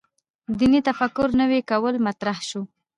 دیني تفکر نوي کول مطرح شو.